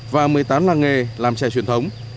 và một mươi tám làng nghề làm chè truyền thống